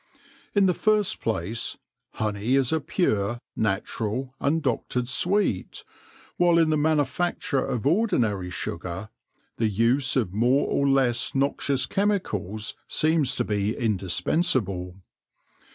In the first place, honey is a pure, natural, undoctored sweet, while in the manufacture of ordinary sugar the use of more or less noxious chemicals seems to be indispensable.